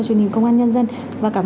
truyền hình công an nhân dân và cảm ơn